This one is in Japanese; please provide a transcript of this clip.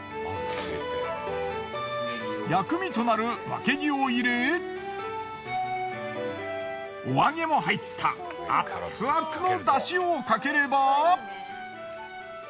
薬味となるわけぎを入れお揚げも入った熱々の出汁をかければ。